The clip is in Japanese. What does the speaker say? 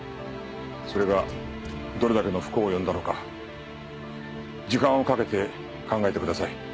それがどれだけの不幸を呼んだのか時間をかけて考えてください。